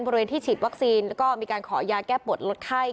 บริเวณที่ฉีดวัคซีนมีการขอยาแก้ปวดรถไข้